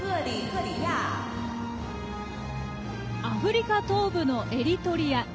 アフリカ東部のエリトリア。